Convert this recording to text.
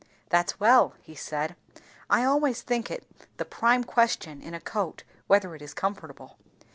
"That's well," he said. "I always think it the prime question in a coat, whether it is comfortable."